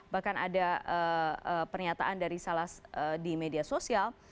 bahkan ada pernyataan dari salah di media sosial